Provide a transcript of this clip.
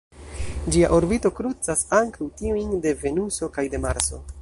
Ĝia orbito krucas ankaŭ tiujn de Venuso kaj de Marso.